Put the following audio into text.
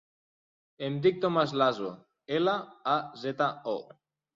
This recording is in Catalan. Em dic Tomàs Lazo: ela, a, zeta, o.